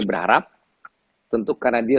berharap tentu karena dia